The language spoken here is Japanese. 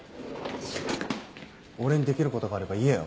俺にできることがあれば言えよ。